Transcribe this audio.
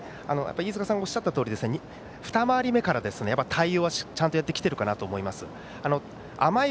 飯塚さんがおっしゃったとおりふた回り目から対応はちゃんとやってきているかなという感じがします。